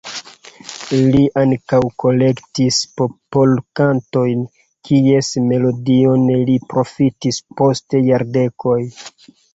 Li ankaŭ kolektis popolkantojn, kies melodiojn li profitis post jardekoj.